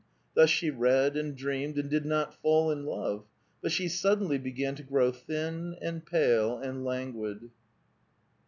Thus she read and dreamed, and did not fall in love ; but she sud denly began to grow thin, and pale, and languid.